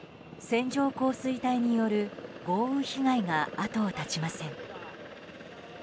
線状降水帯による豪雨被害が後を絶ちません。